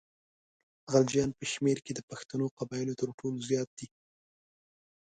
غلجیان په شمېر کې د پښتنو قبایلو تر ټولو زیات دي.